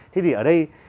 thế thì ở đây